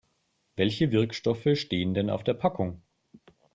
Welche Wirkstoffe stehen denn auf der Packung?